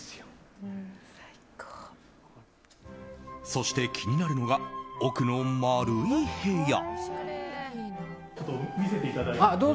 そして気になるのが奥の丸い部屋。